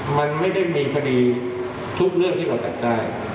มันไม่ได้มีคดีทุกเรื่องที่เราจับได้